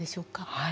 はい。